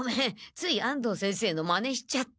つい安藤先生のマネしちゃって。